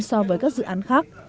so với các dự án khác